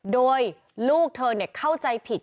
โดยลูกเธอเนี่ยเข้าใจผิด